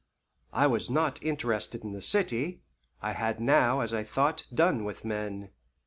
I was not interested in the city; I had now, as I thought, done with men.